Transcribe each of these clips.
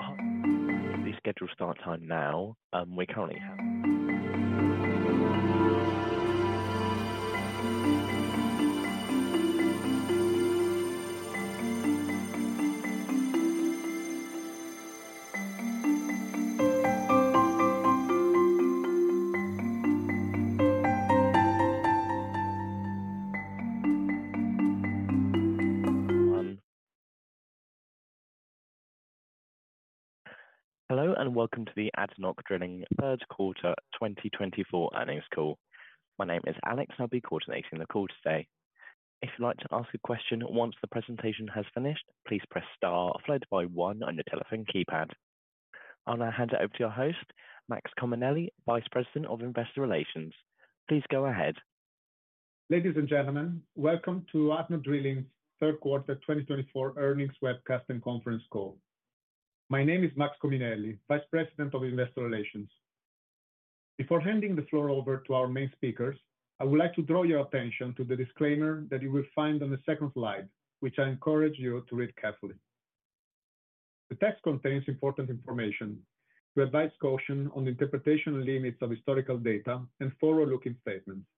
Hello and welcome to the ADNOC Drilling third quarter 2024 earnings call. My name is Alex, and I'll be coordinating the call today. If you'd like to ask a question once the presentation has finished, please press star followed by one on your telephone keypad. I'll now hand it over to your host, Max Cominelli, Vice President of Investor Relations. Please go ahead. Ladies and gentlemen, welcome to ADNOC Drilling's 3rd Quarter 2024 earnings webcast and conference call. My name is Max Cominelli, Vice President of Investor Relations. Before handing the floor over to our main speakers, I would like to draw your attention to the disclaimer that you will find on the second slide, which I encourage you to read carefully. The text contains important information. We advise caution on the interpretation limits of historical data and forward-looking statements.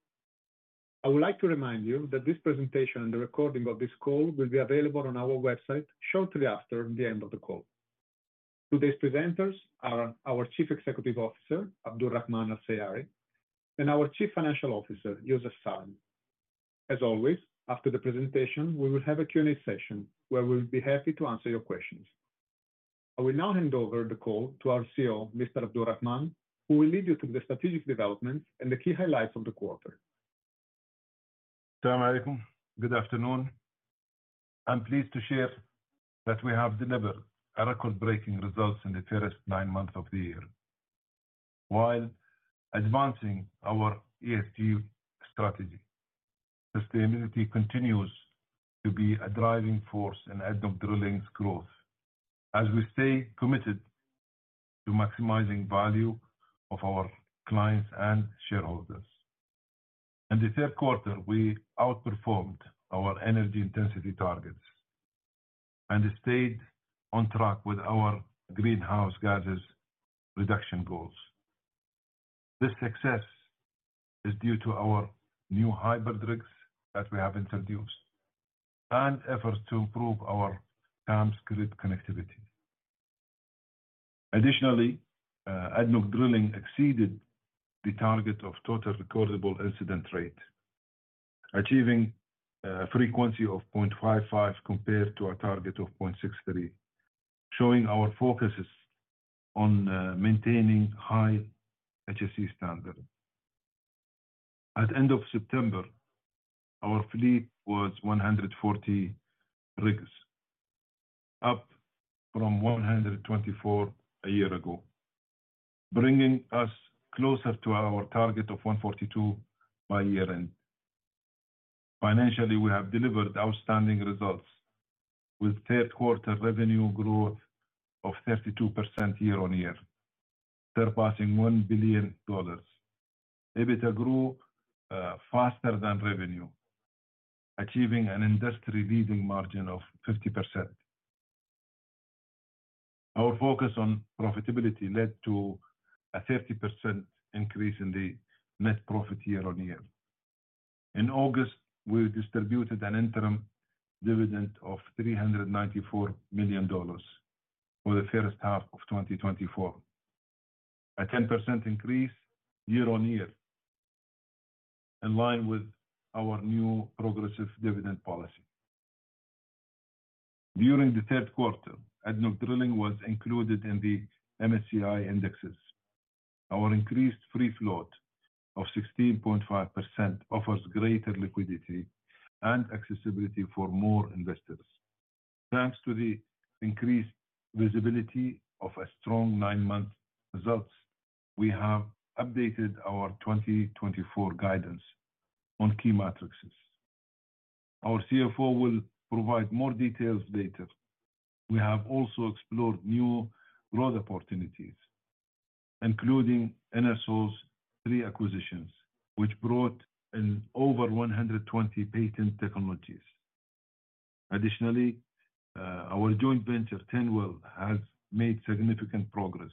I would like to remind you that this presentation and the recording of this call will be available on our website shortly after the end of the call. Today's presenters are our Chief Executive Officer, Abdulrahman Al Seiari, and our Chief Financial Officer, Youssef Salem. As always, after the presentation, we will have a Q&A session where we'll be happy to answer your questions. I will now hand over the call to our CEO, Mr. Abdulrahman, who will lead you through the strategic developments and the key highlights of the quarter. Assalamu Alaikum, good afternoon. I'm pleased to share that we have delivered record-breaking results in the first nine months of the year. While advancing our ESG strategy, sustainability continues to be a driving force in ADNOC Drilling's growth, as we stay committed to maximizing the value of our clients and shareholders. In the third quarter, we outperformed our energy intensity targets and stayed on track with our greenhouse gases reduction goals. This success is due to our new hybrid rigs that we have introduced and efforts to improve our camp grid connectivity. Additionally, ADNOC Drilling exceeded the target of total recordable incident rate, achieving a frequency of 0.55 compared to a target of 0.63, showing our focus on maintaining high HSE standards. At the end of September, our fleet was 140 rigs, up from 124 a year ago, bringing us closer to our target of 142 by year-end. Financially, we have delivered outstanding results, with third-quarter revenue growth of 32% year-on-year, surpassing $1 billion. EBITDA grew faster than revenue, achieving an industry-leading margin of 50%. Our focus on profitability led to a 30% increase in the net profit year-on-year. In August, we distributed an interim dividend of $394 million for the first half of 2024, a 10% increase year-on-year, in line with our new progressive dividend policy. During the third quarter, ADNOC Drilling was included in the MSCI indexes. Our increased free float of 16.5% offers greater liquidity and accessibility for more investors. Thanks to the increased visibility of strong nine-month results, we have updated our 2024 guidance on key metrics. Our CFO will provide more details later. We have also explored new growth opportunities, including Enersol's three acquisitions, which brought in over 120 patent technologies. Additionally, our joint venture, Turnwell, has made significant progress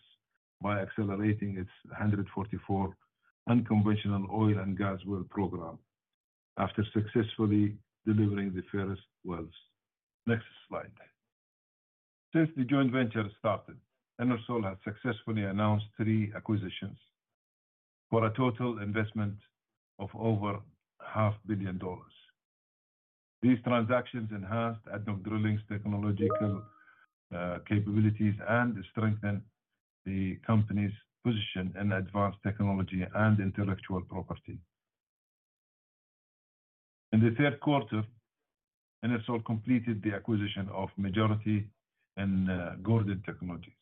by accelerating its 144 unconventional oil and gas well program after successfully delivering the first wells. Next slide. Since the joint venture started, Enersol has successfully announced three acquisitions for a total investment of over $500 million. These transactions enhanced ADNOC Drilling's technological capabilities and strengthened the company's position in advanced technology and intellectual property. In the third quarter, Enersol completed the acquisition of majority in Gordon Technologies,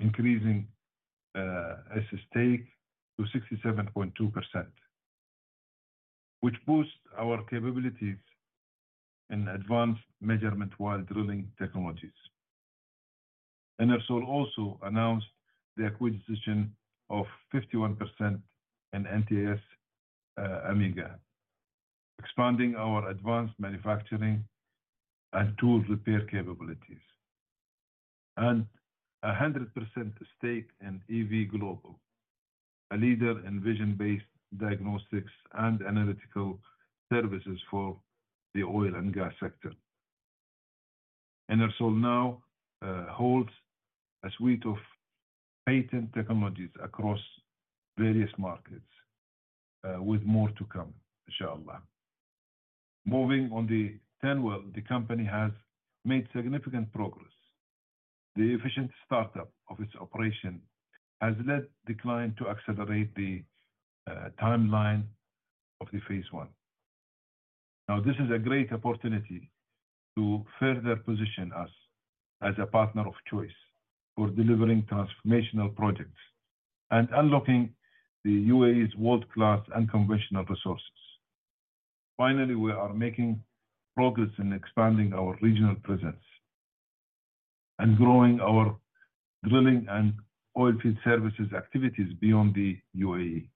increasing its stake to 67.2%, which boosts our capabilities in advanced measurement while drilling technologies. Enersol also announced the acquisition of 51% in NTS Amega, expanding our advanced manufacturing and tool repair capabilities, and a 100% stake in EV Holdings, a leader in vision-based diagnostics and analytical services for the oil and gas sector. Enersol now holds a suite of patent technologies across various markets, with more to come, inshallah. Moving on to Turnwell, the company has made significant progress. The efficient startup of its operation has led the client to accelerate the timeline of the Phase 1. Now, this is a great opportunity to further position us as a partner of choice for delivering transformational projects and unlocking the UAE's world-class unconventional resources. Finally, we are making progress in expanding our regional presence and growing our drilling and oilfield services activities beyond the UAE,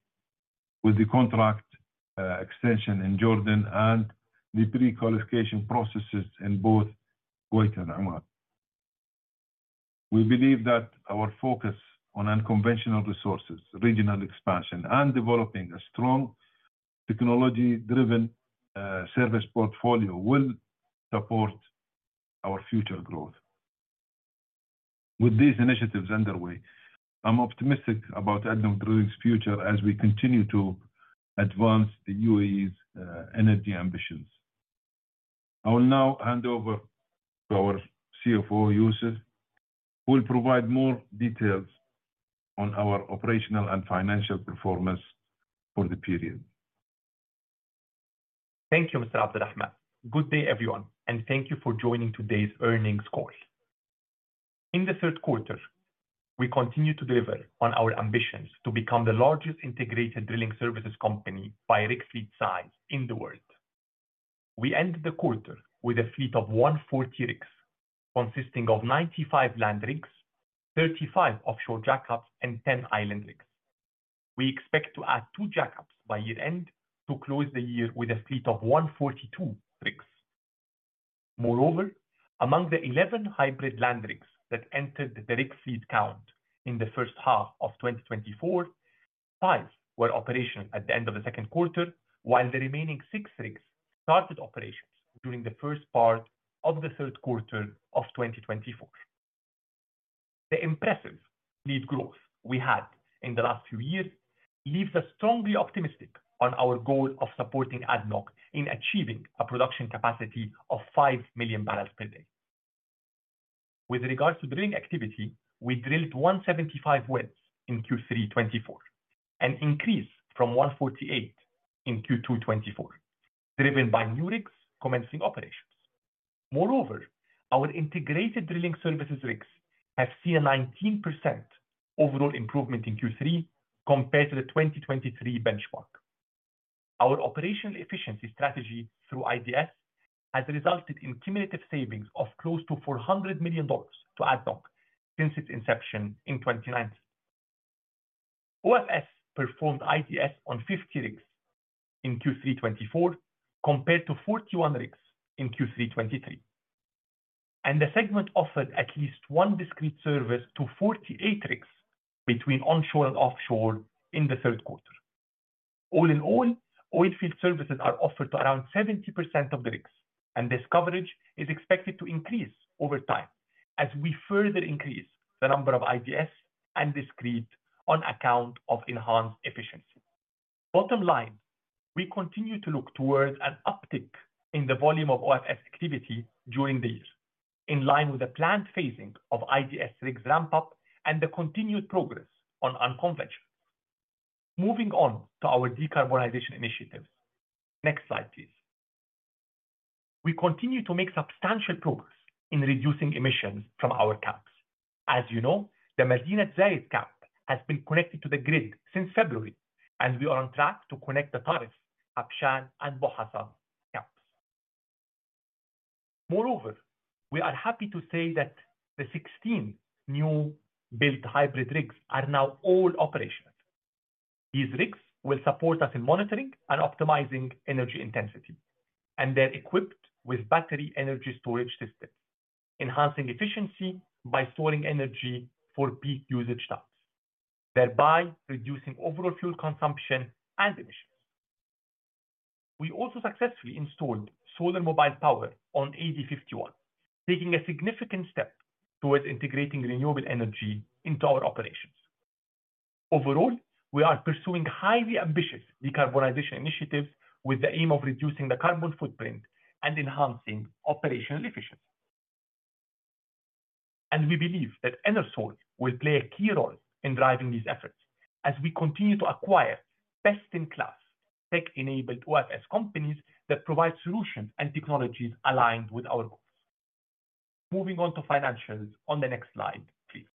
with the contract extension in Jordan and the pre-qualification processes in both Kuwait and Oman. We believe that our focus on unconventional resources, regional expansion, and developing a strong technology-driven service portfolio will support our future growth. With these initiatives underway, I'm optimistic about ADNOC Drilling's future as we continue to advance the UAE's energy ambitions. I will now hand over to our CFO, Youssef, who will provide more details on our operational and financial performance for the period. Thank you, Mr. Abdulrahman. Good day, everyone, and thank you for joining today's earnings call. In the third quarter, we continue to deliver on our ambitions to become the largest integrated drilling services company by rig fleet size in the world. We end the quarter with a fleet of 140 rigs, consisting of 95 land rigs, 35 offshore jackups, and 10 island rigs. We expect to add two jackups by year-end to close the year with a fleet of 142 rigs. Moreover, among the 11 hybrid land rigs that entered the rig fleet count in the first half of 2024, five were operational at the end of the second quarter, while the remaining six rigs started operations during the first part of the third quarter of 2024. The impressive fleet growth we had in the last few years leaves us strongly optimistic on our goal of supporting ADNOC in achieving a production capacity of 5 million barrels per day. With regards to drilling activity, we drilled 175 wells in Q3 2024, an increase from 148 in Q2 2024, driven by new rigs commencing operations. Moreover, our integrated drilling services rigs have seen a 19% overall improvement in Q3 compared to the 2023 benchmark. Our operational efficiency strategy through IDS has resulted in cumulative savings of close to $400 million to ADNOC since its inception in 2019. OFS performed IDS on 50 rigs in Q3 2024 compared to 41 rigs in Q3 2023, and the segment offered at least one discrete service to 48 rigs between onshore and offshore in the third quarter. All in all, oilfield services are offered to around 70% of the rigs, and this coverage is expected to increase over time as we further increase the number of IDS and discrete OFS on account of enhanced efficiency. Bottom line, we continue to look towards an uptick in the volume of OFS activity during the year, in line with the planned phasing of IDS rigs ramp-up and the continued progress on unconventional. Moving on to our decarbonization initiatives. Next slide, please. We continue to make substantial progress in reducing emissions from our camps. As you know, the Madinat Zayed camp has been connected to the grid since February, and we are on track to connect the Tarif, Habshan, and Bu Hasa camps. Moreover, we are happy to say that the 16 newly built hybrid rigs are now all operational. These rigs will support us in monitoring and optimizing energy intensity, and they're equipped with battery energy storage systems, enhancing efficiency by storing energy for peak usage times, thereby reducing overall fuel consumption and emissions. We also successfully installed solar mobile power on AD51, taking a significant step towards integrating renewable energy into our operations. Overall, we are pursuing highly ambitious decarbonization initiatives with the aim of reducing the carbon footprint and enhancing operational efficiency, and we believe that Enersol will play a key role in driving these efforts as we continue to acquire best-in-class, tech-enabled OFS companies that provide solutions and technologies aligned with our goals. Moving on to financials on the next slide, please.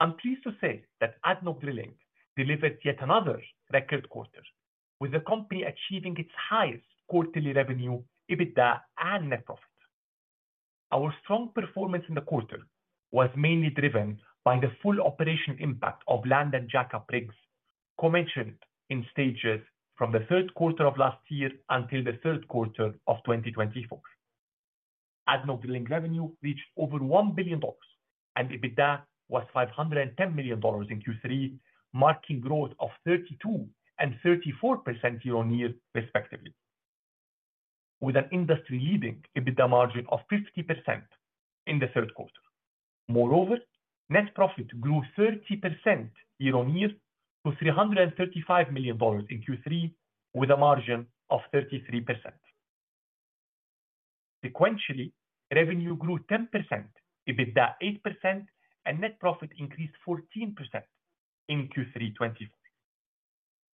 I'm pleased to say that ADNOC Drilling delivered yet another record quarter, with the company achieving its highest quarterly revenue, EBITDA, and net profit. Our strong performance in the quarter was mainly driven by the full operational impact of land and jackup rigs commissioned in stages from the third quarter of last year until the third quarter of 2024. ADNOC Drilling revenue reached over $1 billion, and EBITDA was $510 million in Q3, marking growth of 32% and 34% year-on-year, respectively, with an industry-leading EBITDA margin of 50% in the third quarter. Moreover, net profit grew 30% year-on-year to $335 million in Q3, with a margin of 33%. Sequentially, revenue grew 10%, EBITDA 8%, and net profit increased 14% in Q3 2024.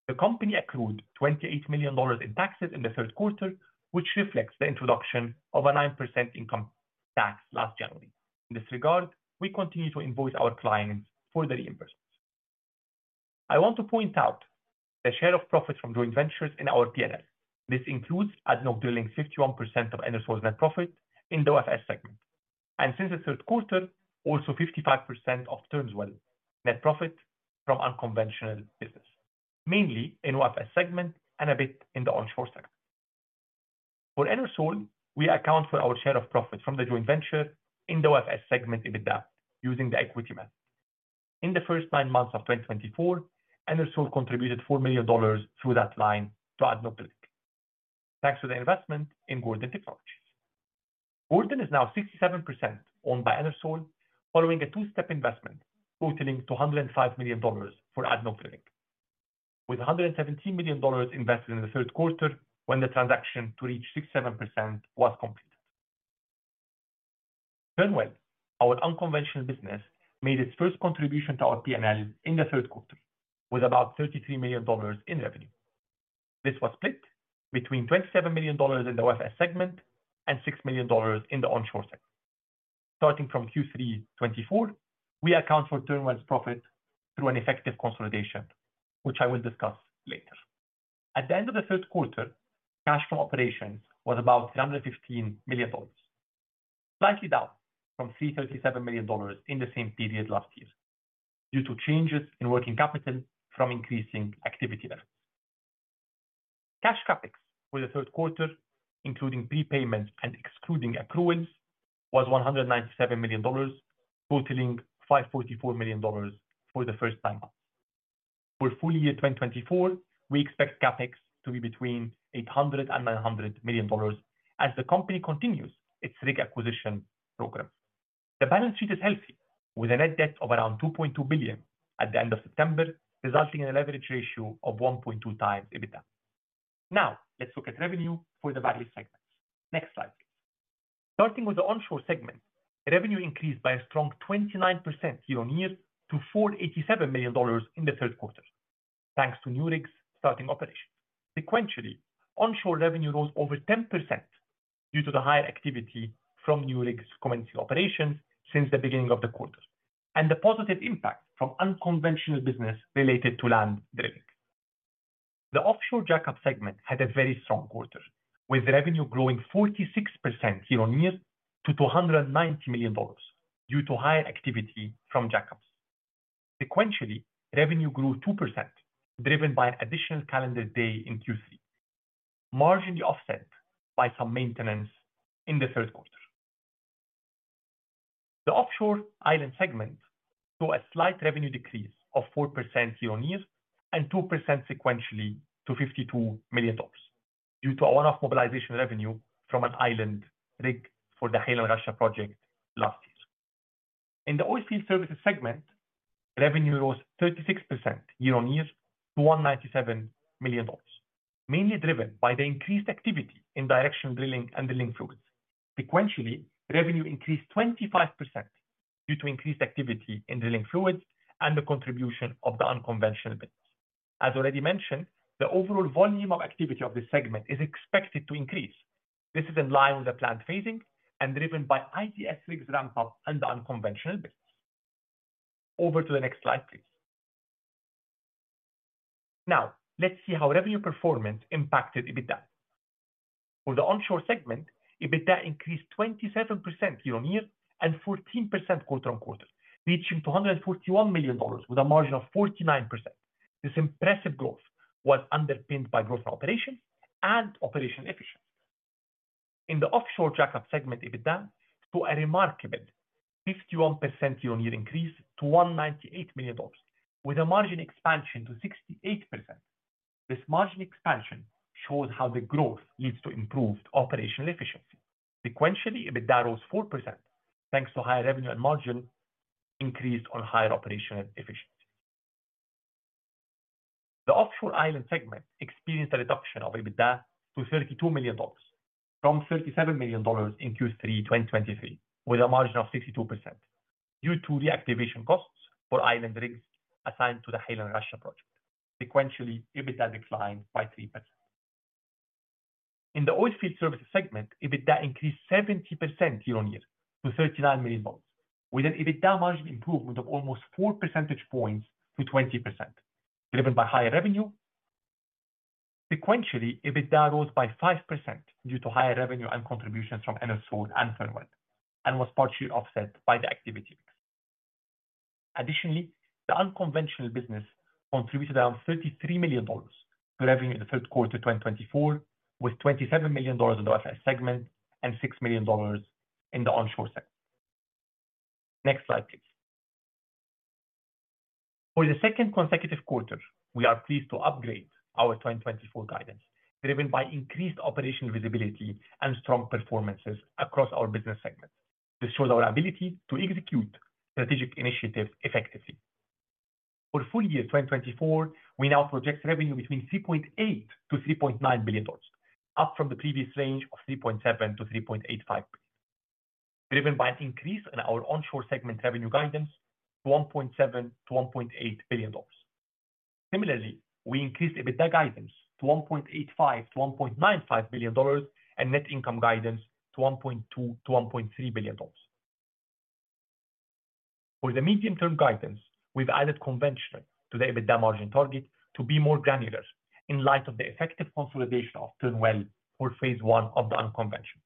The company accrued $28 million in taxes in the third quarter, which reflects the introduction of a 9% income tax last January. In this regard, we continue to invoice our clients for the reimbursements. I want to point out the share of profit from joint ventures in our P&L. This includes ADNOC Drilling's 51% of Enersol net profit in the OFS segment, and since the third quarter, also 55% of Turnwell net profit from unconventional business, mainly in the OFS segment and a bit in the onshore segment. For Enersol, we account for our share of profit from the joint venture in the OFS segment EBITDA using the equity method. In the first nine months of 2024, Enersol contributed $4 million through that line to ADNOC Drilling, thanks to the investment in Gordon Technologies. Gordon is now 67% owned by Enersol, following a two-step investment totaling $205 million for ADNOC Drilling, with $117 million invested in the third quarter when the transaction to reach 67% was completed. Turnwell, our unconventional business, made its first contribution to our P&L in the third quarter, with about $33 million in revenue. This was split between $27 million in the OFS segment and $6 million in the onshore segment. Starting from Q3 2024, we account for Turnwell's profit through an effective consolidation, which I will discuss later. At the end of the third quarter, cash from operations was about $315 million, slightly down from $337 million in the same period last year due to changes in working capital from increasing activity levels. Cash CapEx for the third quarter, including prepayments and excluding accruals, was $197 million, totaling $544 million for the first nine months. For full year 2024, we expect CapEx to be between $800 and $900 million as the company continues its rig acquisition program. The balance sheet is healthy, with a net debt of around $2.2 billion at the end of September, resulting in a leverage ratio of 1.2 times EBITDA. Now, let's look at revenue for the various segments. Next slide, please. Starting with the onshore segment, revenue increased by a strong 29% year-on-year to $487 million in the third quarter, thanks to new rigs starting operations. Sequentially, onshore revenue rose over 10% due to the higher activity from new rigs commencing operations since the beginning of the quarter and the positive impact from unconventional business related to land drilling. The offshore jack-up segment had a very strong quarter, with revenue growing 46% year-on-year to $290 million due to higher activity from jack-ups. Sequentially, revenue grew 2%, driven by an additional calendar day in Q3, marginally offset by some maintenance in the third quarter. The offshore island segment saw a slight revenue decrease of 4% year-on-year and 2% sequentially to $52 million due to a one-off mobilization revenue from an island rig for the Hail and Ghasha project last year. In the oilfield services segment, revenue rose 36% year-on-year to $197 million, mainly driven by the increased activity in directional drilling and drilling fluids. Sequentially, revenue increased 25% due to increased activity in drilling fluids and the contribution of the unconventional business. As already mentioned, the overall volume of activity of the segment is expected to increase. This is in line with the planned phasing and driven by IDS rigs ramp-up and the unconventional business. Over to the next slide, please. Now, let's see how revenue performance impacted EBITDA. For the onshore segment, EBITDA increased 27% year-on-year and 14% quarter on quarter, reaching $241 million with a margin of 49%. This impressive growth was underpinned by growth in operations and operational efficiency. In the offshore jack-up segment, EBITDA saw a remarkable 51% year-on-year increase to $198 million, with a margin expansion to 68%. This margin expansion shows how the growth leads to improved operational efficiency. Sequentially, EBITDA rose 4% thanks to higher revenue and margin increased on higher operational efficiency. The offshore island segment experienced a reduction of EBITDA to $32 million from $37 million in Q3 2023, with a margin of 62% due to reactivation costs for island rigs assigned to the Hail and Ghasha project. Sequentially, EBITDA declined by 3%. In the oilfield services segment, EBITDA increased 70% year-on-year to $39 million, with an EBITDA margin improvement of almost 4 percentage points to 20%, driven by higher revenue. Sequentially, EBITDA rose by 5% due to higher revenue and contributions from Enersol and Turnwell, and was partially offset by the activity mix. Additionally, the unconventional business contributed around $33 million to revenue in the third quarter 2024, with $27 million in the OFS segment and $6 million in the onshore segment. Next slide, please. For the second consecutive quarter, we are pleased to upgrade our 2024 guidance, driven by increased operational visibility and strong performances across our business segment. This shows our ability to execute strategic initiatives effectively. For full year 2024, we now project revenue between $3.8-$3.9 billion, up from the previous range of $3.7-$3.85 billion, driven by an increase in our onshore segment revenue guidance to $1.7-$1.8 billion. Similarly, we increased EBITDA guidance to $1.85-$1.95 billion and net income guidance to $1.2-$1.3 billion. For the medium-term guidance, we've added conventional to the EBITDA margin target to be more granular in light of the effective consolidation of Turnwell for Phase 1 of the unconventional.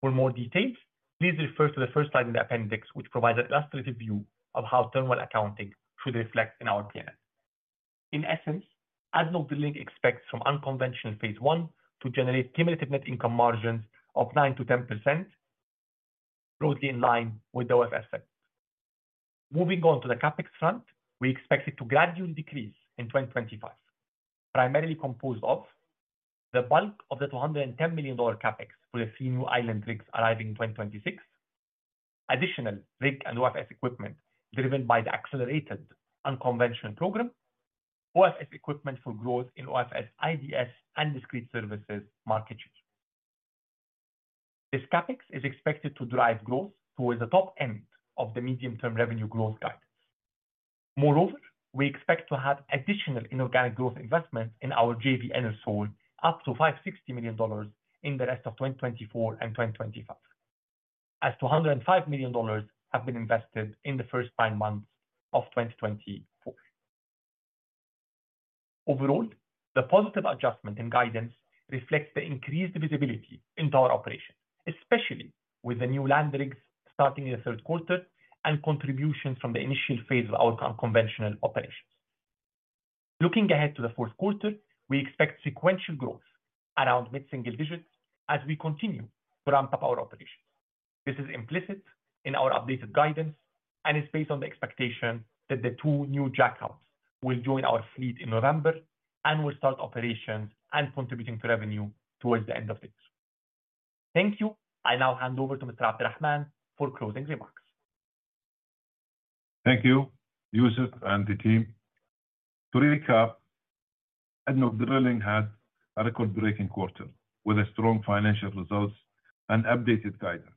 For more details, please refer to the first slide in the appendix, which provides an illustrative view of how Turnwell accounting should reflect in our P&L. In essence, ADNOC Drilling expects from unconventional Phase 1 to generate cumulative net income margins of 9%-10%, broadly in line with the OFS segment. Moving on to the CapEx front, we expect it to gradually decrease in 2025, primarily composed of the bulk of the $210 million CapEx for the three new island rigs arriving in 2026, additional rig and OFS equipment driven by the accelerated unconventional program, OFS equipment for growth in OFS, IDS, and discrete services market share. This CapEx is expected to drive growth towards the top end of the medium-term revenue growth guidance. Moreover, we expect to have additional inorganic growth investment in our JV Enersol up to $560 million in the rest of 2024 and 2025, as $205 million have been invested in the first nine months of 2024. Overall, the positive adjustment in guidance reflects the increased visibility into our operation, especially with the new land rigs starting in the third quarter and contributions from the initial Phase of our unconventional operations. Looking ahead to the fourth quarter, we expect sequential growth around mid-single digits as we continue to ramp up our operations. This is implicit in our updated guidance and is based on the expectation that the two new jackups will join our fleet in November and will start operations and contributing to revenue towards the end of the year. Thank you. I now hand over to Mr. Abdulrahman Abdulla Al Seiari for closing remarks. Thank you, Youssef and the team. To recap, ADNOC Drilling had a record-breaking quarter with strong financial results and updated guidance.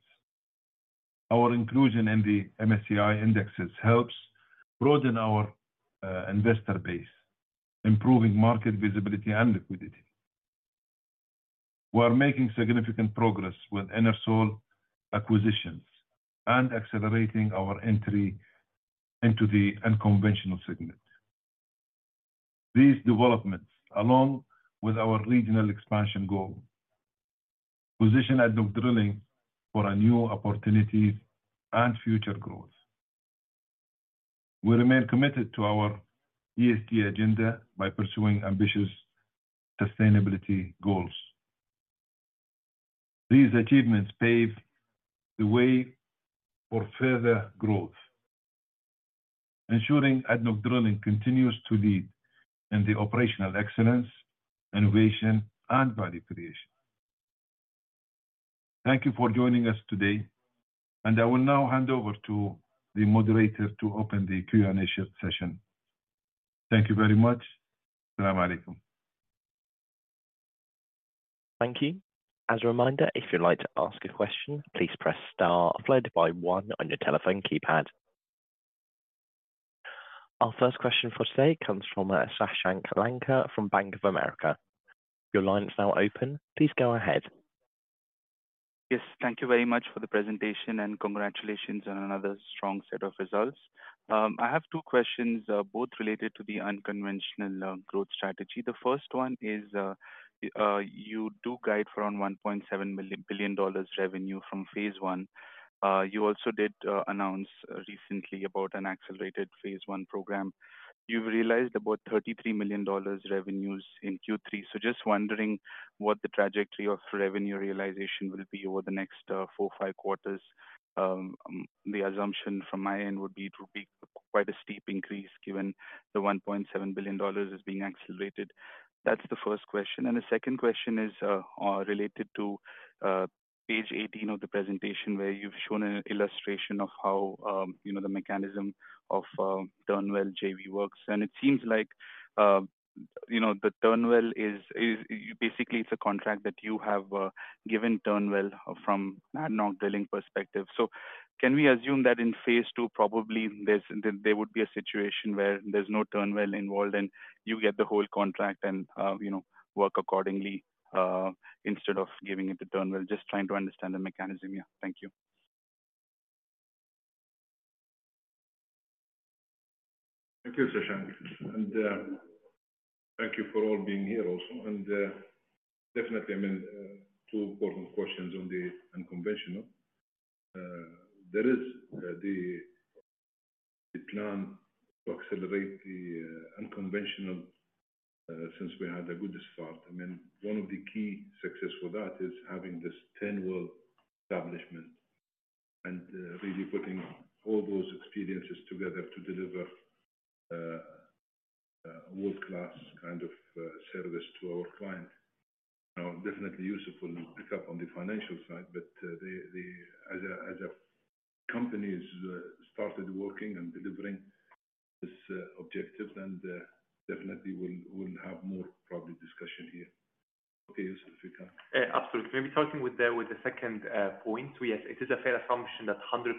Our inclusion in the MSCI indexes helps broaden our investor base, improving market visibility and liquidity. We are making significant progress with Enersol acquisitions and accelerating our entry into the unconventional segment. These developments, along with our regional expansion goal, position ADNOC Drilling for new opportunities and future growth. We remain committed to our ESG agenda by pursuing ambitious sustainability goals. These achievements pave the way for further growth, ensuring ADNOC Drilling continues to lead in the operational excellence, innovation, and value creation. Thank you for joining us today, and I will now hand over to the moderator to open the Q&A session. Thank you very much. Assalamu Alaikum. Thank you. As a reminder, if you'd like to ask a question, please press star one on your telephone keypad. Our first question for today comes from Shashank Lanka from Bank of America. Your line is now open. Please go ahead. Yes, thank you very much for the presentation and congratulations on another strong set of results. I have two questions, both related to the unconventional growth strategy. The first one is you do guide for around $1.7 billion revenue from Phase 1. You also did announce recently about an accelerated Phase 1 program. You've realized about $33 million revenues in Q3. So just wondering what the trajectory of revenue realization will be over the next four or five quarters. The assumption from my end would be it would be quite a steep increase given the $1.7 billion is being accelerated. That's the first question. And the second question is related to page 18 of the presentation where you've shown an illustration of how the mechanism of Turnwell JV works. And it seems like the Turnwell is basically a contract that you have given Turnwell from ADNOC Drilling perspective. So can we assume that in Phase 2, probably there would be a situation where there's no Turnwell involved and you get the whole contract and work accordingly instead of giving it to Turnwell? Just trying to understand the mechanism. Yeah, thank you. Thank you, Shashank. And thank you for all being here also. And definitely, I mean, two important questions on the unconventional. There is the plan to accelerate the unconventional since we had a good start. I mean, one of the key successes for that is having this Turnwell establishment and really putting all those experiences together to deliver world-class kind of service to our client. Now, definitely, Youssef will pick up on the financial side, but as a company has started working and delivering this objective, then definitely we'll have more probably discussion here. Okay, Youssef, if you can. Absolutely. Maybe starting with the second point, yes, it is a fair assumption that 100%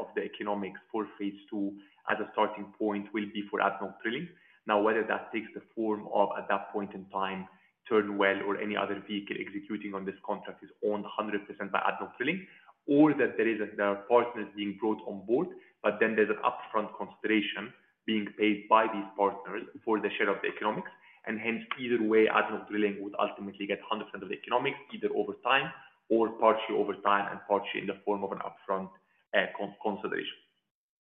of the economics for Phase 2 as a starting point will be for ADNOC Drilling. Now, whether that takes the form of, at that point in time, Turnwell or any other vehicle executing on this contract is owned 100% by ADNOC Drilling, or that there are partners being brought on board, but then there's an upfront consideration being paid by these partners for the share of the economics, and hence, either way, ADNOC Drilling would ultimately get 100% of the economics, either over time or partially over time and partially in the form of an upfront consideration.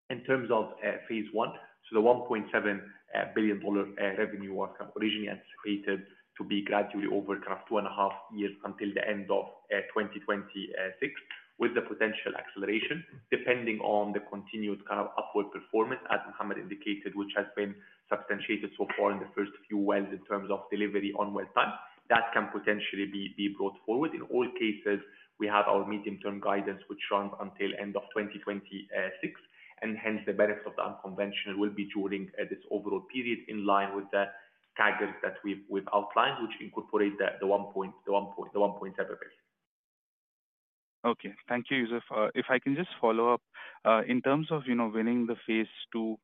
In terms of Phase 1, so the $1.7 billion revenue was originally anticipated to be gradually over kind of two and a half years until the end of 2026, with the potential acceleration depending on the continued kind of upward performance, as Mohammad indicated, which has been substantiated so far in the first few wells in terms of delivery on well time. That can potentially be brought forward. In all cases, we have our medium-term guidance, which runs until the end of 2026, and hence, the benefit of the unconventional will be during this overall period in line with the CAGR that we've outlined, which incorporates the $1.7 billion. Okay. Thank you, Youssef. If I can just follow up, in terms of winning the Phase 2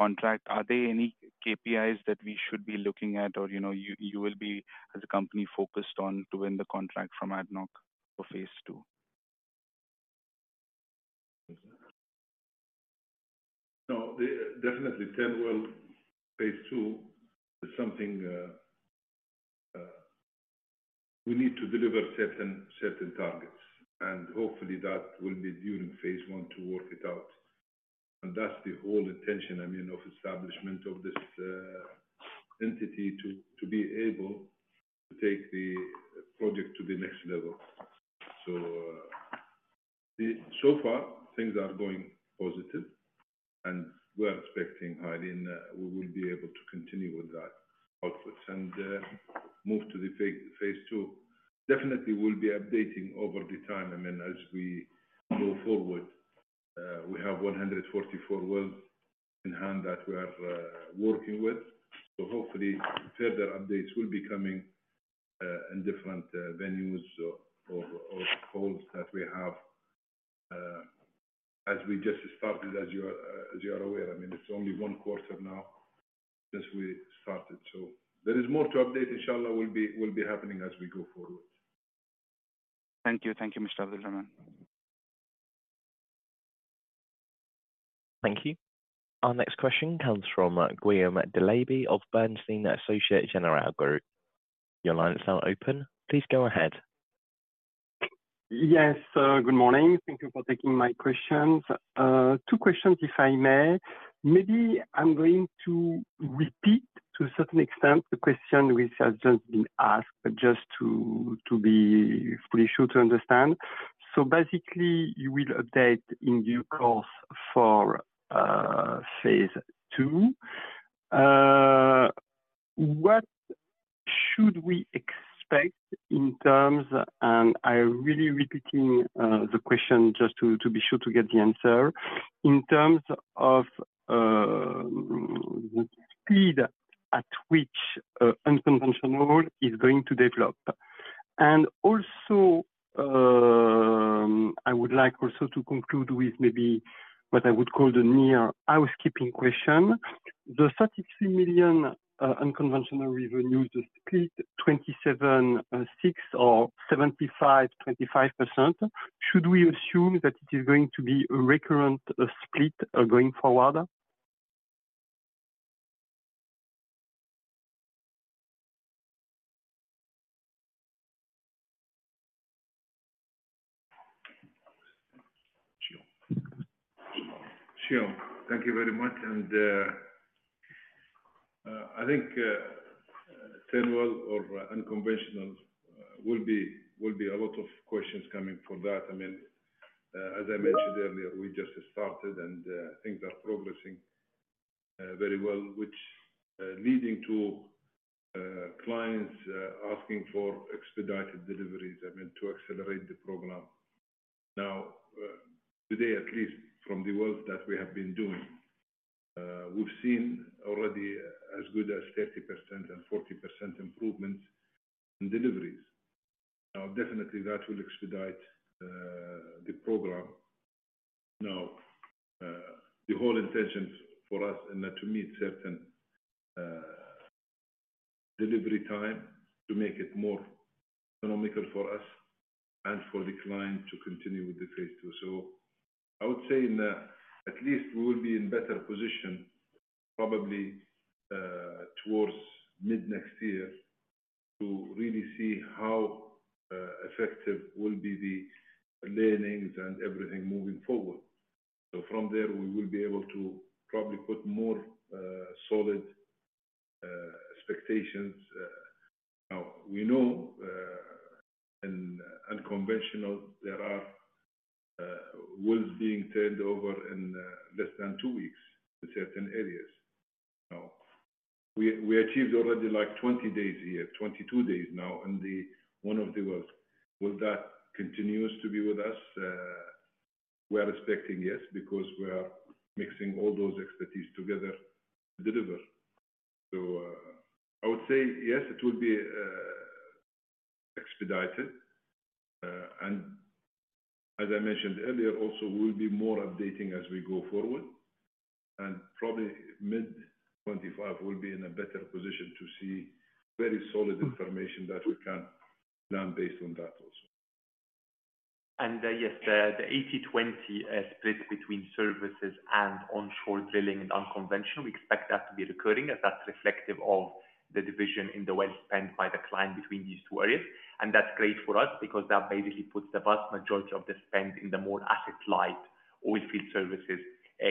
contract, are there any KPIs that we should be looking at, or you will be, as a company, focused on to win the contract from ADNOC for Phase 2? No, definitely, Turnwell Phase 2 is something we need to deliver certain targets. And hopefully, that will be during Phase 1 to work it out. That's the whole intention, I mean, of establishment of this entity to be able to take the project to the next level. So far, things are going positive, and we're expecting highly, and we will be able to continue with that output and move to the Phase 2. Definitely, we'll be updating over the time. I mean, as we move forward, we have 144 wells in hand that we're working with. So hopefully, further updates will be coming in different venues or calls that we have. As we just started, as you are aware, I mean, it's only one quarter now since we started. So there is more to update. Inshallah, will be happening as we go forward. Thank you. Thank you, Mr. Abdulrahman. Thank you. Our next question comes from Guillaume Delaby of Bernstein, via Société Générale. Your line is now open. Please go ahead. Yes, good morning. Thank you for taking my questions. Two questions, if I may. Maybe I'm going to repeat to a certain extent the question which has just been asked, but just to be fully sure to understand. So basically, you will update in due course for Phase 2. What should we expect in terms—and I'm really repeating the question just to be sure to get the answer—in terms of the speed at which unconventional is going to develop? And also, I would like also to conclude with maybe what I would call the near housekeeping question. The $33 million unconventional revenues, the split $27.6 million or 75.25%, should we assume that it is going to be a recurrent split going forward? Sure. Sure. Thank you very much, and I think Turnwell or unconventional will be a lot of questions coming for that. I mean, as I mentioned earlier, we just started, and things are progressing very well, which is leading to clients asking for expedited deliveries, I mean, to accelerate the program. Now, today, at least from the work that we have been doing, we've seen already as good as 30% and 40% improvements in deliveries. Now, definitely, that will expedite the program. Now, the whole intention for us is to meet certain delivery time to make it more economical for us and for the client to continue with the Phase 2. So I would say at least we will be in better position probably towards mid-next year to really see how effective will be the learnings and everything moving forward. So from there, we will be able to probably put more solid expectations. Now, we know in unconventional, there are wells being turned over in less than two weeks in certain areas. Now, we achieved already like 20 days here, 22 days now in one of the wells. Will that continue to be with us? We are expecting yes because we are mixing all those expertise together to deliver. So I would say yes, it will be expedited. And as I mentioned earlier, also, we will be more updating as we go forward. And probably mid-2025, we'll be in a better position to see very solid information that we can plan based on that also. And yes, the 80/20 split between services and onshore drilling and unconventional, we expect that to be recurring, as that's reflective of the division in the well spend by the client between these two areas. And that's great for us because that basically puts the vast majority of the spend in the more asset-light oilfield services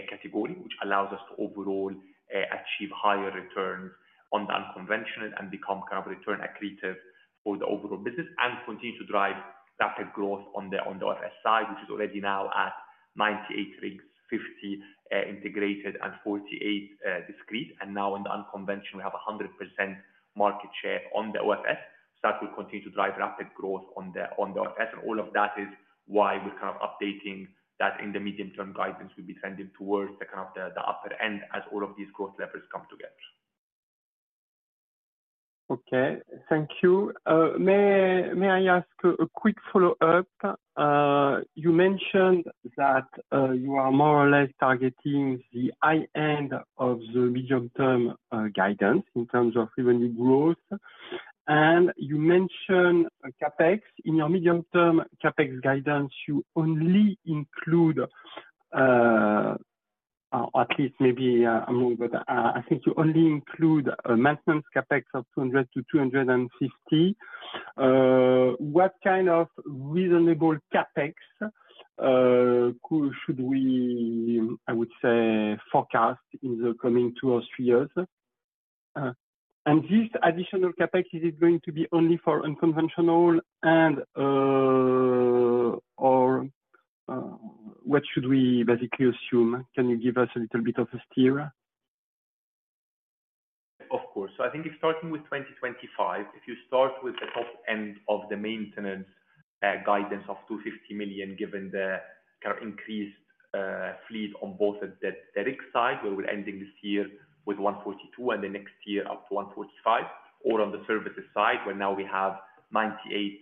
category, which allows us to overall achieve higher returns on the unconventional and become kind of return accretive for the overall business and continue to drive rapid growth on the OFS side, which is already now at 98 rigs, 50 integrated, and 48 discrete. And now in the unconventional, we have 100% market share on the OFS. So that will continue to drive rapid growth on the OFS. And all of that is why we're kind of updating that in the medium-term guidance. We'll be trending towards the kind of the upper end as all of these growth levels come together. Okay. Thank you. May I ask a quick follow-up? You mentioned that you are more or less targeting the high end of the medium-term guidance in terms of revenue growth. And you mentioned CapEx. In your medium-term CapEx guidance, you only include, or at least maybe I'm wrong, but I think you only include a maintenance CapEx of 200-250. What kind of reasonable CapEx should we, I would say, forecast in the coming two or three years? This additional CapEx, is it going to be only for unconventional, or what should we basically assume? Can you give us a little bit of a steer? Of course. I think if starting with 2025, if you start with the top end of the maintenance guidance of $250 million, given the kind of increased fleet on both the rig side, where we're ending this year with 142 and the next year up to 145, or on the services side, where now we have 98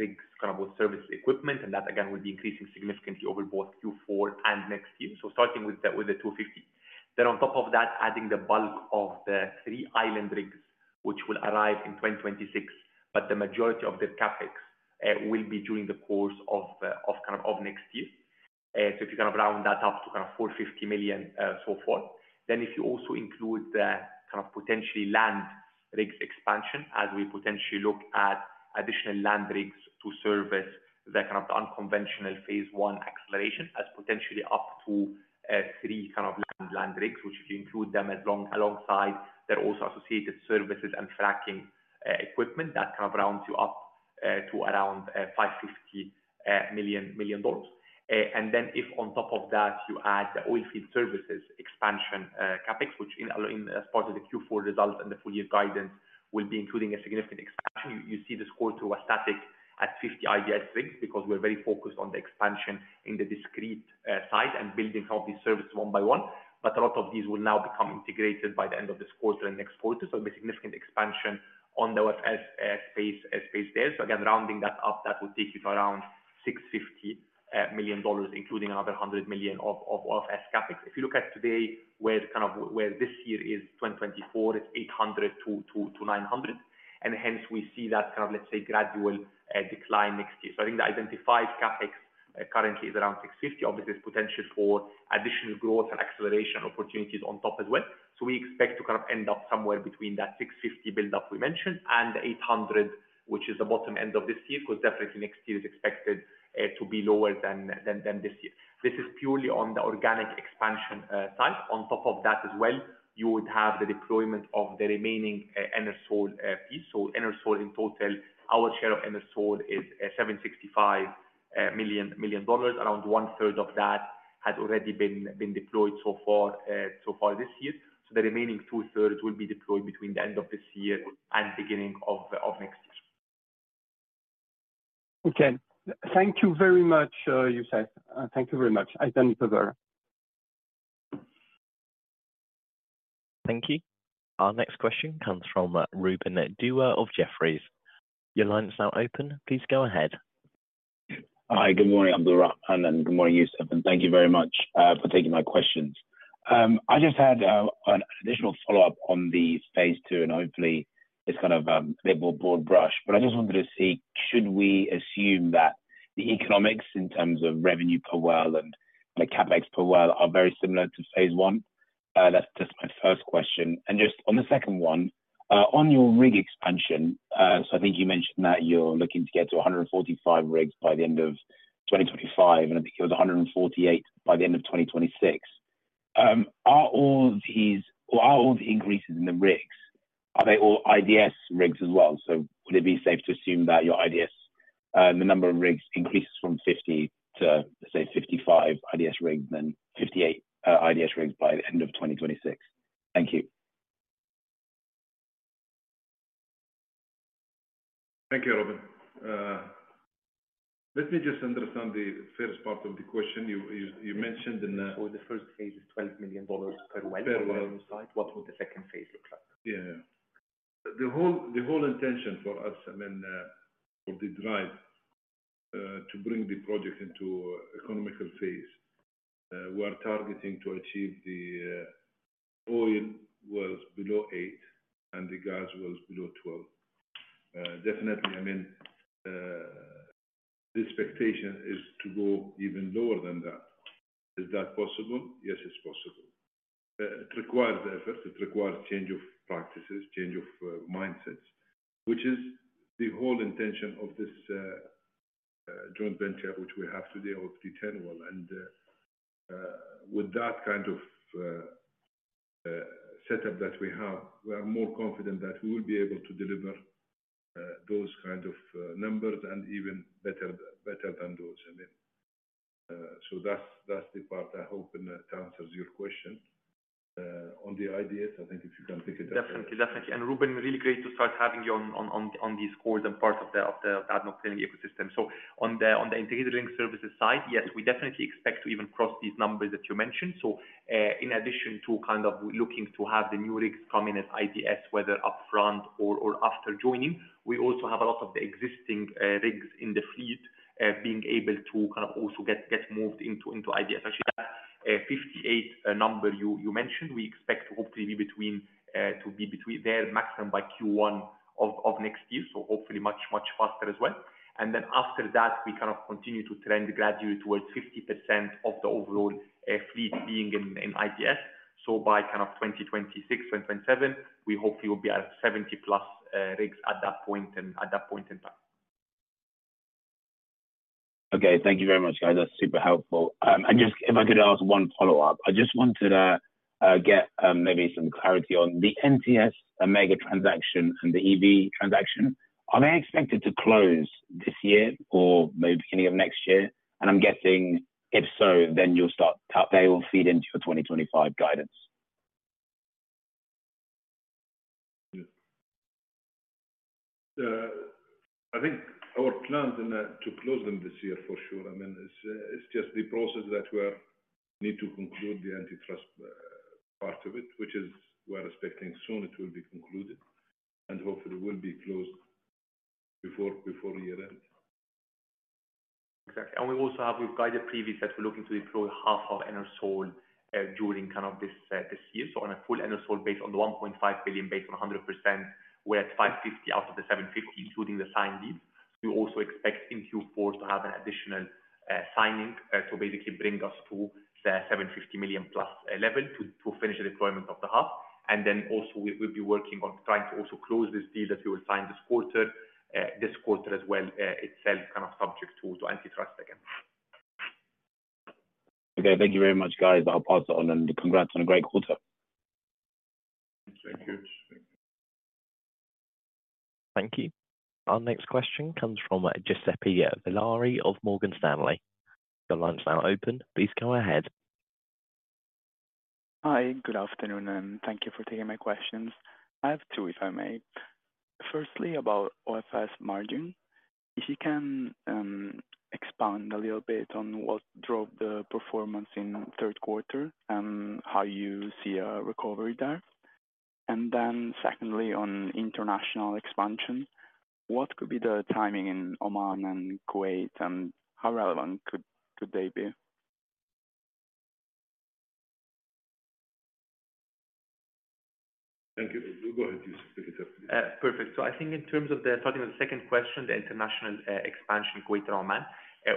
rigs kind of with service equipment, and that, again, will be increasing significantly over both Q4 and next year. Starting with the 250. On top of that, adding the bulk of the three island rigs, which will arrive in 2026, but the majority of the CapEx will be during the course of kind of next year. So if you kind of round that up to kind of $450 million so far, then if you also include the kind of potentially land rigs expansion, as we potentially look at additional land rigs to service the kind of the unconventional Phase 1 acceleration as potentially up to three kind of land rigs, which if you include them alongside their also associated services and fracking equipment, that kind of rounds you up to around $550 million. And then if on top of that you add the oilfield services expansion CapEx, which as part of the Q4 results and the full year guidance will be including a significant expansion, you see this quarter was static at 50 IDS rigs because we're very focused on the expansion in the discrete side and building some of these services one by one. But a lot of these will now become integrated by the end of this quarter and next quarter. So it'll be a significant expansion on the OFS space there. So again, rounding that up, that would take you to around $650 million, including another $100 million of OFS CapEx. If you look at today, where this year is 2024, it's $800 million-$900 million. And hence, we see that kind of, let's say, gradual decline next year. So I think the identified CapEx currently is around $650 million. Obviously, there's potential for additional growth and acceleration opportunities on top as well. So we expect to kind of end up somewhere between that $650 million build-up we mentioned and $800 million, which is the bottom end of this year because definitely next year is expected to be lower than this year. This is purely on the organic expansion type. On top of that as well, you would have the deployment of the remaining Enersol piece. So Enersol in total, our share of Enersol is $765 million. Around one-third of that has already been deployed so far this year. So the remaining two-thirds will be deployed between the end of this year and beginning of next year. Okay. Thank you very much, Youssef. Thank you very much, Abdulrahman. Thank you. Our next question comes from Reuben Dewa of Jefferies. Your line is now open. Please go ahead. Hi, good morning, Abdulrahman. And good morning, Youssef. And thank you very much for taking my questions. I just had an additional follow-up on the Phase 2, and hopefully, it's kind of a bit more broad brush. But I just wanted to see, should we assume that the economics in terms of revenue per well and the CapEx per well are very similar to Phase 1? That's just my first question. And just on the second one, on your rig expansion, so I think you mentioned that you're looking to get to 145 rigs by the end of 2025, and I think it was 148 by the end of 2026. Are all these or are all the increases in the rigs, are they all IDS rigs as well? So would it be safe to assume that your IDS, the number of rigs increases from 50 to, let's say, 55 IDS rigs and then 58 IDS rigs by the end of 2026? Thank you. Thank you, Reuben. Let me just understand the first part of the question. You mentioned in the... The first Phase is $12 million per well. Per well. What would the second Phase look like? Yeah, yeah. The whole intention for us, I mean, for the drive to bring the project into economic Phase, we are targeting to achieve the oil wells below $8 million and the gas wells below $12 million. Definitely, I mean, the expectation is to go even lower than that. Is that possible? Yes, it's possible. It requires effort. It requires change of practices, change of mindsets, which is the whole intention of this joint venture which we have today of the 10-well. With that kind of setup that we have, we are more confident that we will be able to deliver those kind of numbers and even better than those. I mean, so that's the part I hope to answer your question on the IDS. I think if you can take it. Definitely. Definitely, and Ruben, really great to start having you on these calls and part of the ADNOC Drilling ecosystem, so on the integrated rig services side, yes, we definitely expect to even cross these numbers that you mentioned, so in addition to kind of looking to have the new rigs come in as IDS, whether upfront or after joining, we also have a lot of the existing rigs in the fleet being able to kind of also get moved into IDS. Actually, that 58 number you mentioned, we expect to hopefully be between to be there maximum by Q1 of next year, so hopefully much, much faster as well, and then after that, we kind of continue to trend gradually towards 50% of the overall fleet being in IDS. So by kind of 2026, 2027, we hopefully will be at 70-plus rigs at that point and at that point in time. Okay. Thank you very much, guys. That's super helpful. And just if I could ask one follow-up, I just wanted to get maybe some clarity on the NTS Amega transaction and the EV transaction. Are they expected to close this year or maybe beginning of next year? And I'm guessing if so, then you'll start they will feed into your 2025 guidance. Yeah. I think our plans to close them this year for sure. I mean, it's just the process that we need to conclude the antitrust part of it, which is we are expecting soon it will be concluded and hopefully will be closed before year-end. Exactly. And we also have with guided previews that we're looking to deploy half of Enersol during kind of this year. So on a full Enersol based on the $1.5 billion based on 100%, we're at $550 million out of the $750 million including the signed deals. We also expect in Q4 to have an additional signing to basically bring us to the $750 million-plus level to finish the deployment of the half. And then also we'll be working on trying to also close this deal that we will sign this quarter as well itself kind of subject to antitrust again. Okay. Thank you very much, guys. I'll pass it on and congrats on a great quarter. Thank you. Thank you. Thank you. Our next question comes from Giuseppe Villari of Morgan Stanley. Your line's now open. Please go ahead. Hi, good afternoon, and thank you for taking my questions. I have two, if I may. Firstly, about OFS margin. If you can expand a little bit on what drove the performance in third quarter and how you see a recovery there? And then secondly, on international expansion, what could be the timing in Oman and Kuwait and how relevant could they be? Thank you. You go ahead, Youssef. Perfect. So I think in terms of the second question, the international expansion, Kuwait and Oman,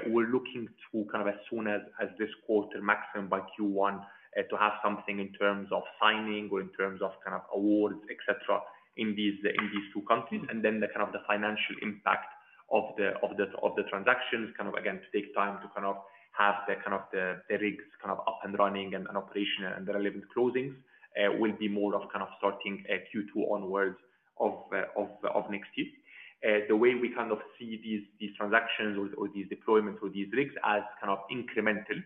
we're looking to kind of as soon as this quarter, maximum by Q1, to have something in terms of signing or in terms of kind of awards, etc., in these two countries. And then the kind of financial impact of the transactions, kind of again, to take time to kind of have the kind of the rigs kind of up and running and operational and the relevant closings will be more of kind of starting Q2 onwards of next year. The way we kind of see these transactions or these deployments or these rigs as kind of incremental,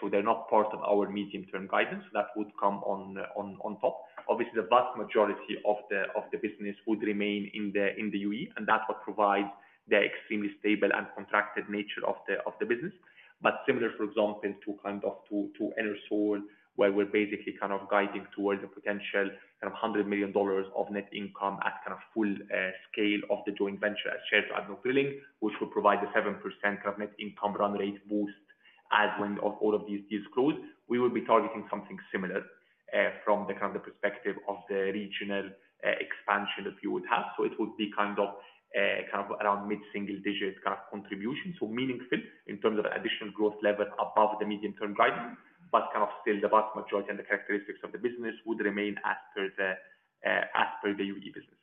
so they're not part of our medium-term guidance, that would come on top. Obviously, the vast majority of the business would remain in the UAE, and that's what provides the extremely stable and contracted nature of the business. But similar, for example, to kind of to Enersol, where we're basically kind of guiding towards a potential kind of $100 million of net income at kind of full scale of the joint venture as shared to ADNOC Drilling, which would provide a 7% kind of net income run rate boost. As when all of these deals close, we will be targeting something similar from the kind of the perspective of the regional expansion that you would have. So it would be kind of around mid-single-digit kind of contribution, so meaningful in terms of additional growth level above the medium-term guidance, but kind of still the vast majority and the characteristics of the business would remain as per the UAE business.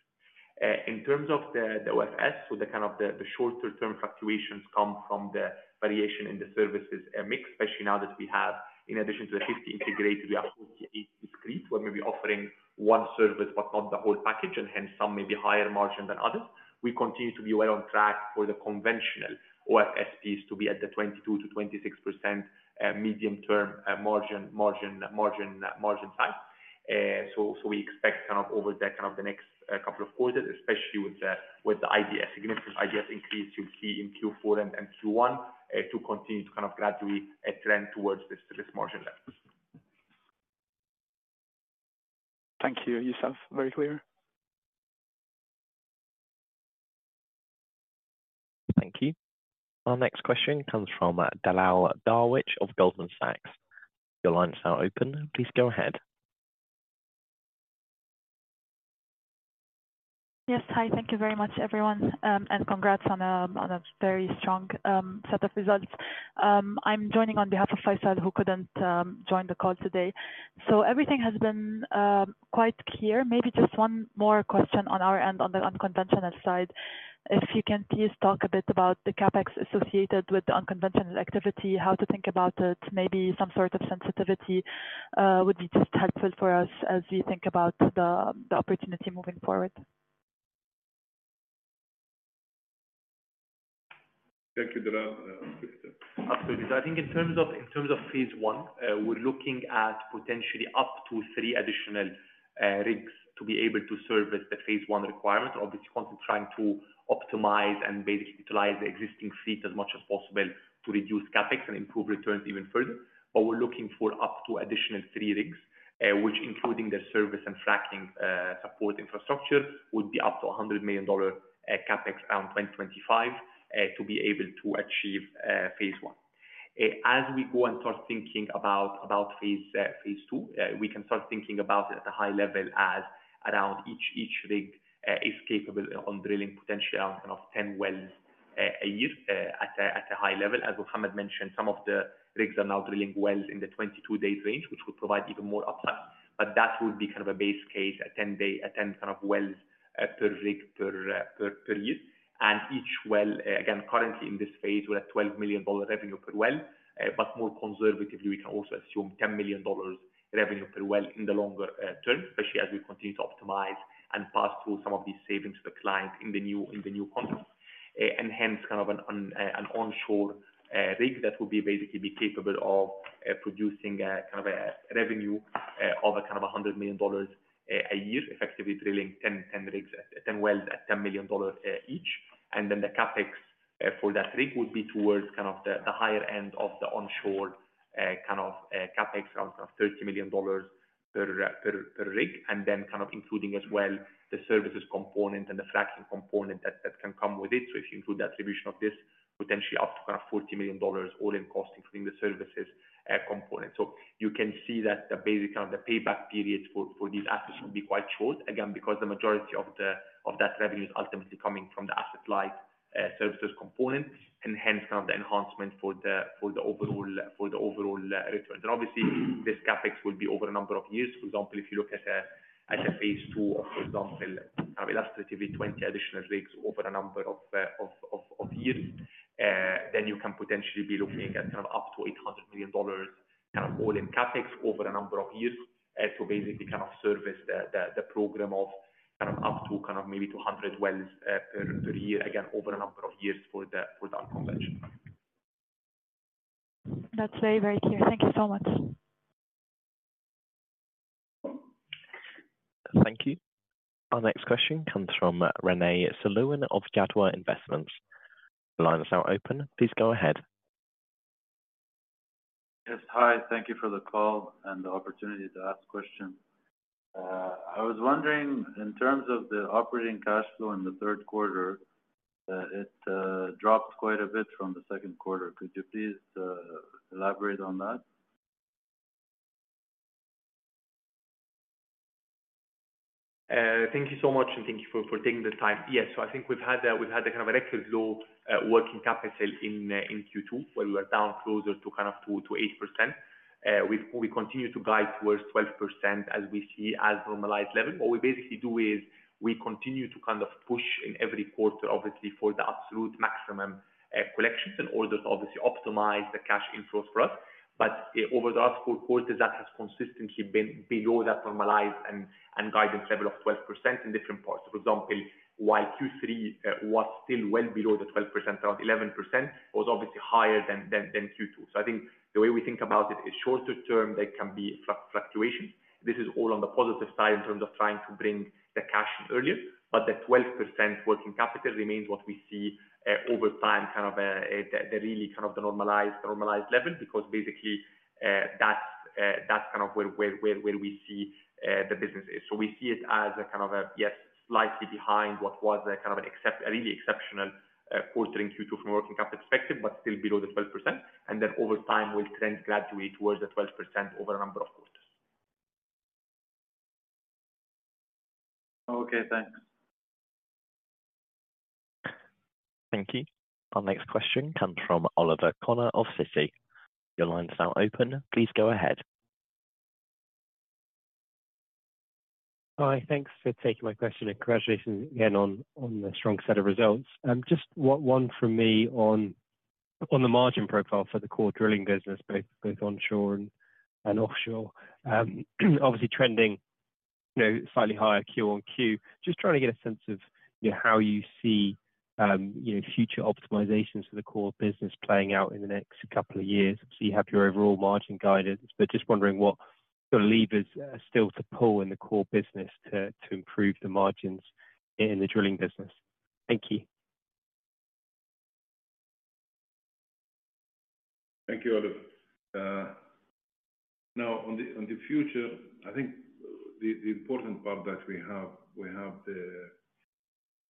In terms of the OFS, so the kind of the shorter-term fluctuations come from the variation in the services mix, especially now that we have, in addition to the 50 integrated, we have 48 discrete where maybe offering one service but not the whole package, and hence some may be higher margin than others. We continue to be well on track for the conventional OFS piece to be at the 22%-26% medium-term margin size. So we expect kind of over the kind of the next couple of quarters, especially with the significant IDS increase you'll see in Q4 and Q1, to continue to kind of gradually trend towards this margin level. Thank you. Youssef, very clear. Thank you. Our next question comes from Dalal Darwich of Goldman Sachs. Your line's now open. Please go ahead. Yes. Hi. Thank you very much, everyone. And congrats on a very strong set of results. I'm joining on behalf of Faisal, who couldn't join the call today. So everything has been quite clear. Maybe just one more question on our end, on the unconventional side. If you can please talk a bit about the CapEx associated with the unconventional activity, how to think about it, maybe some sort of sensitivity would be just helpful for us as we think about the opportunity moving forward. Thank you, Abdulrahman. Absolutely. So I think in terms of Phase 1, we're looking at potentially up to three additional rigs to be able to service the Phase 1 requirement. Obviously, we're trying to optimize and basically utilize the existing fleet as much as possible to reduce CapEx and improve returns even further. But we're looking for up to additional three rigs, which including their service and fracking support infrastructure would be up to $100 million CapEx around 2025 to be able to achieve Phase 1. As we go and start thinking about Phase 2, we can start thinking about it at a high level as around each rig is capable on drilling potentially around kind of 10 wells a year at a high level. As Mohammed mentioned, some of the rigs are now drilling wells in the 22-day range, which would provide even more upside. But that would be kind of a base case, 10 kind of wells per rig per year. And each well, again, currently in this Phase, we're at $12 million revenue per well. But more conservatively, we can also assume $10 million revenue per well in the longer term, especially as we continue to optimize and pass through some of these savings to the client in the new context. And hence kind of an onshore rig that would basically be capable of producing kind of a revenue of kind of $100 million a year, effectively drilling 10 wells at $10 million each. And then the CapEx for that rig would be towards kind of the higher end of the onshore kind of CapEx around kind of $30 million per rig. And then kind of including as well the services component and the fracking component that can come with it. So if you include the attribution of this, potentially up to kind of $40 million all in cost, including the services component. So you can see that basically kind of the payback periods for these assets would be quite short, again, because the majority of that revenue is ultimately coming from the asset-like services component, and hence kind of the enhancement for the overall return. And obviously, this CapEx will be over a number of years. For example, if you look at a Phase 2 or, for example, kind of illustratively, 20 additional rigs over a number of years, then you can potentially be looking at kind of up to $800 million kind of all in CapEx over a number of years to basically kind of service the program of kind of up to kind of maybe 200 wells per year, again, over a number of years for the unconventional. That's very, very clear. Thank you so much. Thank you. Our next question comes from [René Salloum of Jaguar Investments]. The line is now open. Please go ahead. Yes. Hi. Thank you for the call and the opportunity to ask a question. I was wondering, in terms of the operating cash flow in the third quarter, it dropped quite a bit from the second quarter. Could you please elaborate on that? Thank you so much, and thank you for taking the time. Yes. So I think we've had the kind of record low working CapEx in Q2, where we were down closer to kind of to 8%. We continue to guide towards 12% as we see as normalized level. What we basically do is we continue to kind of push in every quarter, obviously, for the absolute maximum collections in order to obviously optimize the cash inflows for us. But over the last four quarters, that has consistently been below that normalized and guidance level of 12% in different parts. For example, while Q3 was still well below the 12%, around 11%, it was obviously higher than Q2. So I think the way we think about it is shorter term, there can be fluctuations. This is all on the positive side in terms of trying to bring the cash in earlier. But the 12% working capital remains what we see over time, kind of the really kind of the normalized level, because basically that's kind of where we see the business is. So we see it as kind of a, yes, slightly behind what was a kind of a really exceptional quarter in Q2 from a working capital perspective, but still below the 12%. And then over time, we'll trend gradually towards the 12% over a number of quarters. Okay. Thanks. Thank you. Our next question comes from Oliver Connor of Citi. Your line's now open. Please go ahead. Hi. Thanks for taking my question, and congratulations again on the strong set of results. Just one from me on the margin profile for the core drilling business, both onshore and offshore. Obviously, trending slightly higher Q on Q. Just trying to get a sense of how you see future optimizations for the core business playing out in the next couple of years. So you have your overall margin guidance, but just wondering what sort of levers are still to pull in the core business to improve the margins in the drilling business. Thank you. Thank you, Oliver. Now, on the future, I think the important part that we have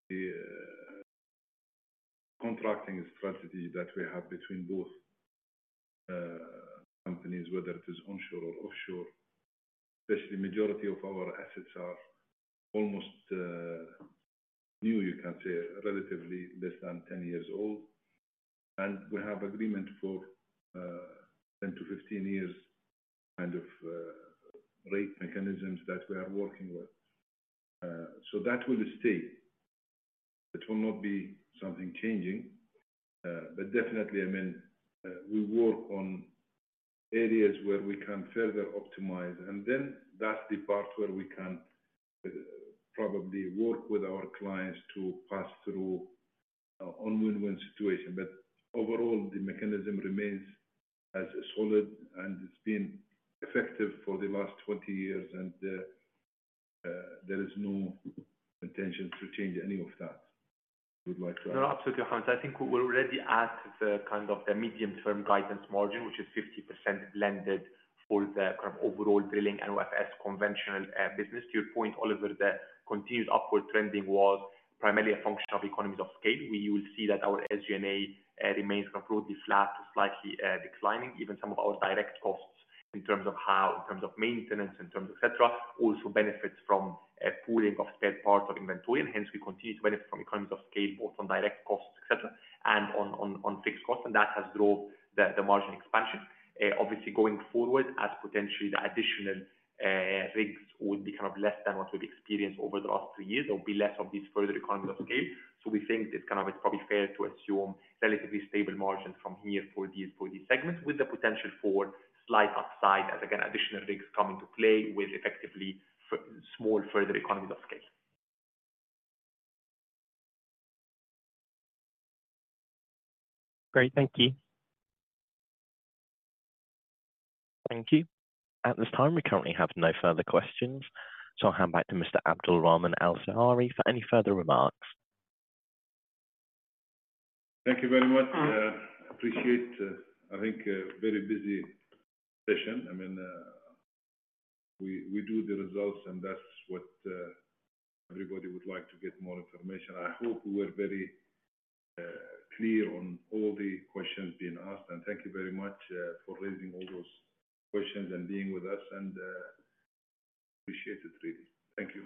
the contracting strategy that we have between both companies, whether it is onshore or offshore, especially majority of our assets are almost new, you can say, relatively less than 10 years old. And we have agreement for 10 to 15 years kind of rate mechanisms that we are working with. So that will stay. It will not be something changing. But definitely, I mean, we work on areas where we can further optimize. And then that's the part where we can probably work with our clients to pass through a win-win situation. But overall, the mechanism remains as solid, and it's been effective for the last 20 years, and there is no intention to change any of that. Would you like to add? No, absolutely, Hans. I think we're already at the kind of the medium-term guidance margin, which is 50% blended for the kind of overall drilling and OFS conventional business. To your point, Oliver, the continued upward trending was primarily a function of economies of scale. We will see that our SG&A remains kind of broadly flat to slightly declining. Even some of our direct costs in terms of maintenance, in terms of etc., also benefit from pooling of spare parts or inventory. And hence, we continue to benefit from economies of scale, both on direct costs, etc., and on fixed costs. And that has drove the margin expansion. Obviously, going forward, as potentially the additional rigs would be kind of less than what we've experienced over the last three years, there will be less of these further economies of scale. So we think it's kind of probably fair to assume relatively stable margins from here for these segments, with the potential for slight upside as, again, additional rigs come into play with effectively small further economies of scale. Great. Thank you. Thank you. At this time, we currently have no further questions. So I'll hand back to Mr. Abdulrahman Al Seiari for any further remarks. Thank you very much. I appreciate, I think, a very busy session. I mean, we do the results, and that's what everybody would like to get more information. I hope we were very clear on all the questions being asked. And thank you very much for raising all those questions and being with us. And I appreciate it, really. Thank you.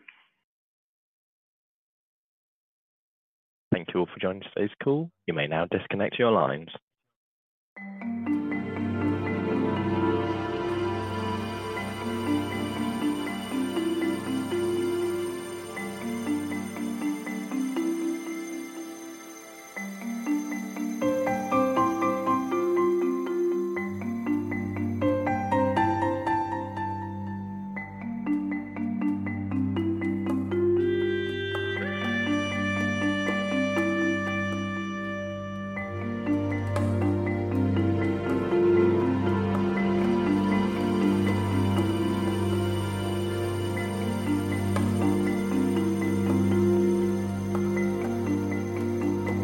Thank you for joining today's call. You may now disconnect your lines.